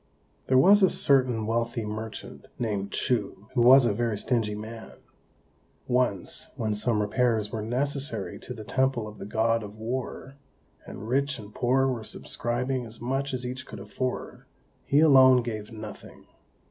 There was a certain wealthy merchant, named Chou, who was a very stingy man. Once, when some repairs were necessary to the temple of the God of War, and rich and poor were subscribing as much as each could afford, he alone gave nothing.